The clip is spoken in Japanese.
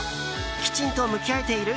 きちんと向き合えている？